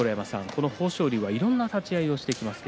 この豊昇龍はいろいろな立ち合いをしてきます。